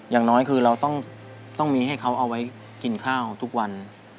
อย่างน้อยคือเราต้องมีให้เขาเอาไว้กินข้าวทุกวัน